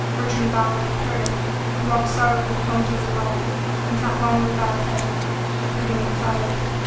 Bertrand Ballard heard it and walked sorrowfully home to his wife, and sat long with bowed head, brooding and silent.